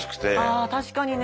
ああ確かにね。